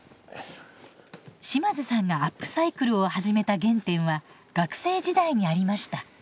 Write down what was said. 島津さんがアップサイクルを始めた原点は学生時代にありました。